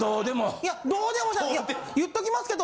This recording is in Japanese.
いやどうでもじゃいや言っときますけど。